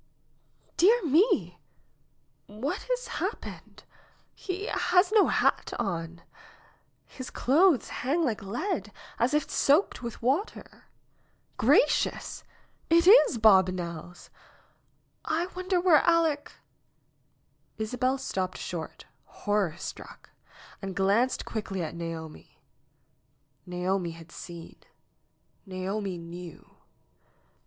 "Dear me ! what has happened ? He has no hat on ! His clothes hang like lead, as if soaked with water! Gracious ! It is Bob Nelles ! I wonder where Aleck " NAOMI'S WEDDING BELLS 71 Isabel stopped short, horror struck, and glanced quickly at Naomi. Naomi had seen. Naomi knew.